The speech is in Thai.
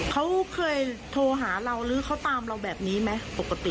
เขาเคยโทรหาเราหรือเขาตามเราแบบนี้ไหมปกติ